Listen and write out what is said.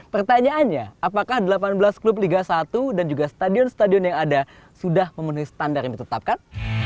pertanyaannya apakah delapan belas klub liga satu dan juga stadion stadion yang ada sudah memenuhi standar yang ditetapkan